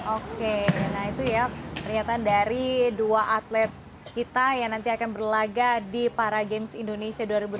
oke nah itu ya pernyataan dari dua atlet kita yang nanti akan berlaga di para games indonesia dua ribu delapan belas